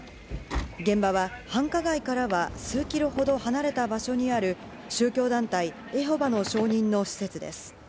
現場は繁華街からは数キロほど離れた場所にある宗教団体・エホバの証人の施設です。